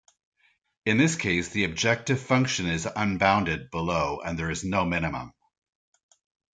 In this case the objective function is unbounded below and there is no minimum.